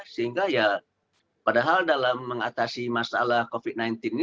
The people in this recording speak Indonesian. sehingga ya padahal dalam mengatasi masalah covid sembilan belas ini